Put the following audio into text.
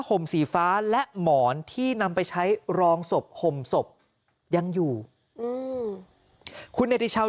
ห่มสีฟ้าและหมอนที่นำไปใช้รองศพห่มศพยังอยู่อืมคุณเนติชาว